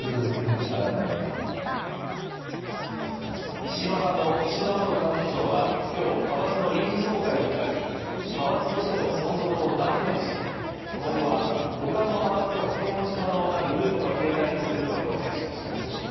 石破派の石破元幹事長は、今日派閥の臨時総会を開き、派閥としての存続を断念し今後は、他の派閥と掛け持ち可能なグループの形態にすると表明しました。